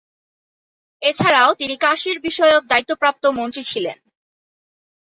এছাড়াও তিনি কাশ্মীর বিষয়ক দায়িত্বপ্রাপ্ত মন্ত্রী ছিলেন।